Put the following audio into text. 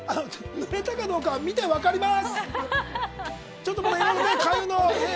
ぬれたかどうかは見たら分かります。